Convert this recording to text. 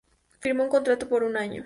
Firmó un contrato por un año.